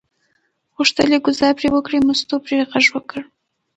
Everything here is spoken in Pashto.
غوښتل یې ګوزار پرې وکړي، مستو پرې غږ وکړ.